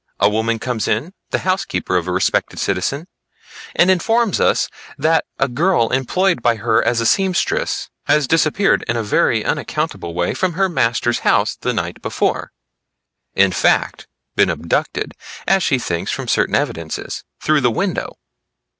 A woman comes in, the housekeeper of a respected citizen, and informs us that a girl employed by her as seamstress has disappeared in a very unaccountable way from her master's house the night before; in fact been abducted as she thinks from certain evidences, through the window.